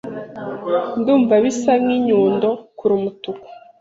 Ndumva bisa nkinyundo kure umutuku